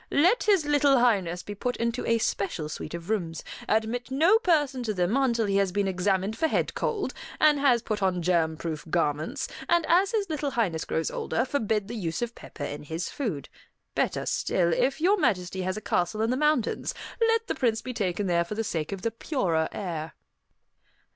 "Let his little highness be put into a special suite of rooms; admit no person to them until he has been examined for head cold, and has put on germ proof garments; and as his little highness grows older, forbid the use of pepper in his food. Better still, if Your Majesty has a castle in the mountains, let the Prince be taken there for the sake of the purer air."